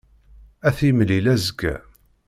Ad t-yemlil azekka.